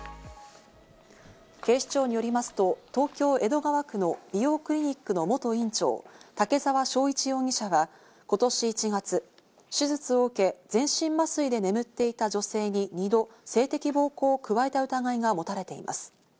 警視庁によりますと、東京・江戸川区の美容クリニックの元院長・竹沢章一容疑者は今年１月、手術を受け全身麻酔で眠っていた女性に２度性的暴行を加えた疑いが持たれています。